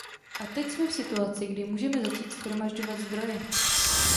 A teď jsme v situaci, kdy můžeme začít shromažďovat zdroje.